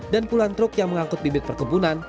dan puluhan truk yang mengangkut bibit perkebunan